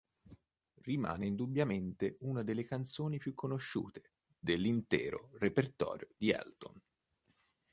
Rimane indubbiamente una delle canzoni più conosciute dell'intero repertorio di Elton.